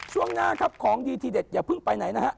ช่วงหน้าครับของดีทีเด็ดอย่าเพิ่งไปไหนนะฮะ